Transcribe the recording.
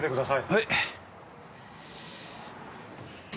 はい！